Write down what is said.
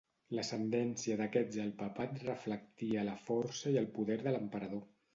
L'ascendència d'aquests al papat reflectia la força i el poder de l'emperador.